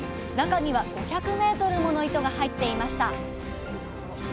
中には５００ｍもの糸が入っていました。